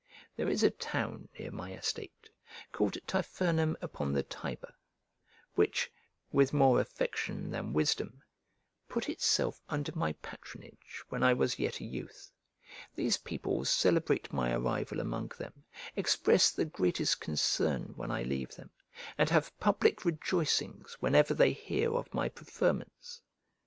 There is a town near my estate, called Tifernum upon the Tiber, which, with more affection than wisdom, put itself under my patronage when I was yet a youth. These people celebrate my arrival among them, express the greatest concern when I leave them, and have public rejoicings whenever they hear of my preferments.